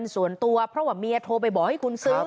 ส่วนตัวเพราะว่าเมียโทรไปบอกให้คุณซื้อ